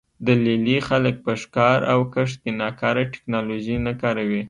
د لې لې خلک په ښکار او کښت کې ناکاره ټکنالوژي نه کاروي